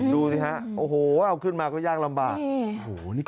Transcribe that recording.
ดูสิฮะโอ้โหเอาขึ้นมาก็ยากลำบาก